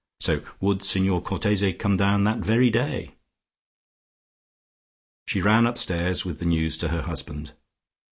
So would Signor Cortese come down that very day? She ran upstairs with the news to her husband.